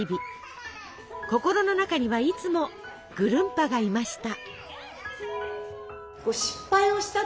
心の中にはいつもぐるんぱがいました。